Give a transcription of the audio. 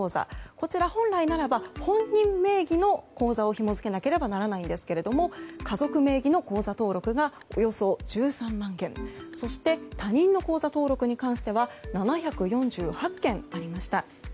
こちら、本来ならば本人名義の口座をひもづけなければならないんですが家族名義の口座登録がおよそ１３万件そして他人の口座登録に関しては７４８件ありました。